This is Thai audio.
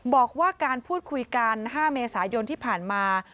บอกว่าการพูดคุยกัน๕เมษายนที่ผ่านมา